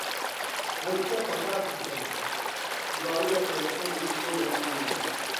هەنووکە قەپات بکە، دوایێ تەلەفۆنت لۆ دەکەمەوە.